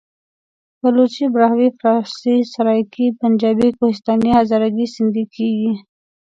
پښتو، بلوچي، براهوي، فارسي، سرایکي، پنجابي، کوهستاني، هزارګي، سندهي..ویل کېژي.